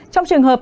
trong trường hợp